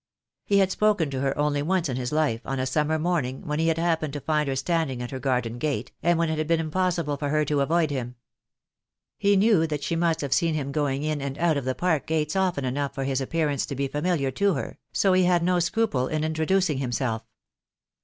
He had spoken to her only once in his life, on a summer morning, when he had happened to find her standing at her garden gate, and when it had been impossible for her to avoid him. He knew that she must have seen him going in and out of the park gates often enough for his appearance to be familiar to her, so he had no scruple in introducing himself.